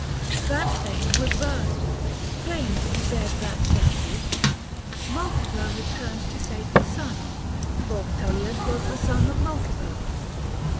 That fane was burned ; Flames spared that statue. Mulciber returned To save his son, for Tullius was the son Of Mulciber.